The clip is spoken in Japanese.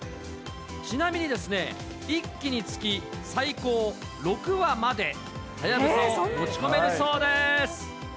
ちなみにですね、１機につき、最高６羽までハヤブサを持ち込めるそうです。